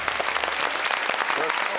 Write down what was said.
よし！